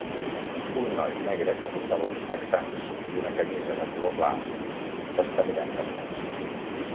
Un noi negre que portava uns texans i una camisa de color clar s'està mirant les mans.